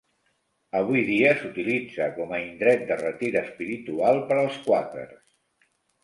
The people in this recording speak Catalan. Avui dia s'utilitza com a indret de retir espiritual per als quàquers.